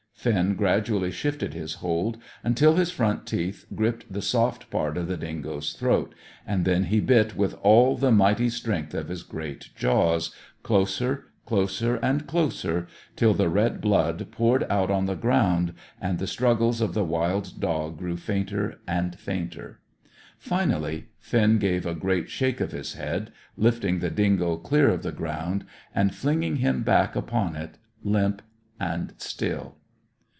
Finn gradually shifted his hold, till his front teeth gripped the soft part of the dingo's throat, and then he bit with all the mighty strength of his great jaws, closer, closer, and closer, till the red blood poured out on the ground and the struggles of the wild dog grew fainter and fainter. Finally, Finn gave a great shake of his head, lifting the dingo clear of the ground, and flinging him back upon it, limp and still.